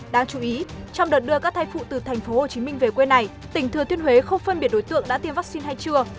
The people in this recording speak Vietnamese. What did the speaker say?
đáng chú ý trong đợt đưa các thai phụ từ tp hcm về quê này tỉnh thừa thiên huế không phân biệt đối tượng đã tiêm vaccine hay chưa